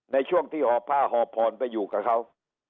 ในช่วงที่หอพ่าหอพรไปอยู่กับเขา